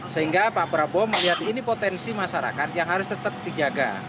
sehingga pak prabowo melihat ini potensi masyarakat yang harus tetap dijaga